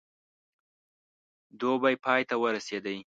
دوبی پای ته ورسېدی.